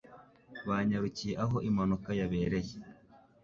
Banyarukiye aho impanuka yabereye.